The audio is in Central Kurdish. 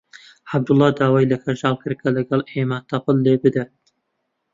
عەبدوڵڵا داوای لە کەژاڵ کرد کە لەگەڵ ئێمە تەپڵ لێ بدات.